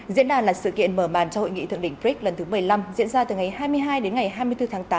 diễn đàn là sự kiện mở màn cho hội nghị thượng đỉnh brics lần thứ một mươi năm diễn ra từ ngày hai mươi hai đến ngày hai mươi bốn tháng tám